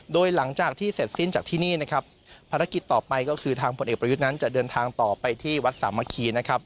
โดยหลังจากที่เสร็จสิ้นจากที่นี่นะครับภารกิจต่อไปก็คือทางผลเอกประยุทธ์นั้นจะเดินทางต่อไปที่วัดสามัคคีนะครับ